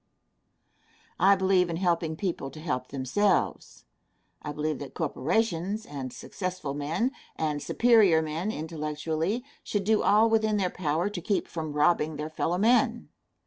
I believe in helping people to help themselves. I believe that corporations, and successful men, and superior men intellectually, should do all within their power to keep from robbing their fellow men.